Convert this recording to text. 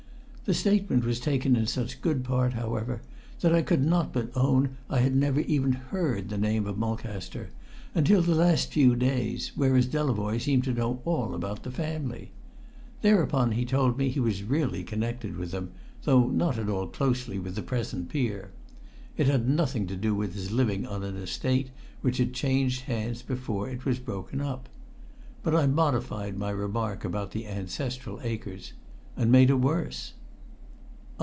The statement was taken in such good part, however, that I could not but own I had never even heard the name of Mulcaster until the last few days, whereas Delavoye seemed to know all about the family. Thereupon he told me he was really connected with them, though not at all closely with the present peer. It had nothing to do with his living on an Estate which had changed hands before it was broken up. But I modified my remark about the ancestral acres and made a worse.